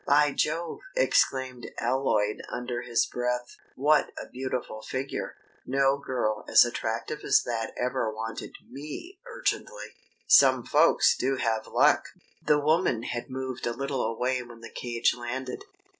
"By Jove," exclaimed Alloyd under his breath, "what a beautiful figure! No girl as attractive as that ever wanted me urgently! Some folks do have luck!" The woman had moved a little away when the cage landed.